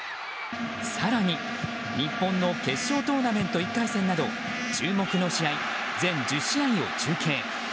更に、日本の決勝トーナメント１回戦など注目の試合、全１０試合を中継。